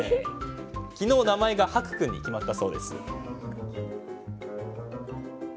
昨日、名前がハク君に決まったそうです。